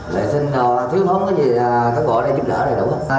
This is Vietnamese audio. lệ sinh thiếu thốn các bộ ở đây giúp đỡ đầy đủ